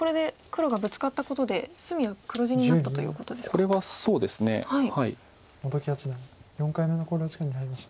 本木八段４回目の考慮時間に入りました。